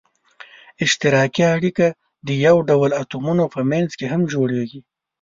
اشتراکي اړیکه د یو ډول اتومونو په منځ کې هم جوړیږي.